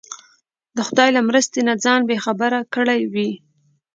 د خدای له مرستې نه ځان بې برخې کړی وي.